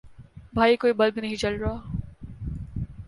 بھائی کوئی بلب نہیں جل رہا